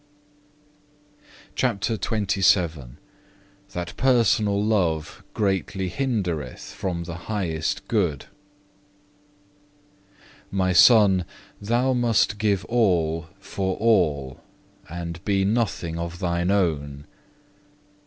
CHAPTER XXVII That personal love greatly hindereth from the highest good "My Son, thou must give all for all, and be nothing of thine own.